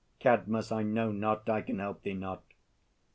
CADMUS. I know not; I can help thee not.